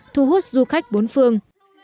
thu hút du khách bốn phương